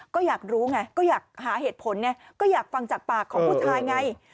ก็อยากรู้ไงก็อยากหาเหตุผลไงก็อยากฟังจากปากของผู้ชายไง